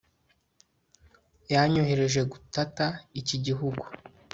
yanyohereje gutata iki gihugu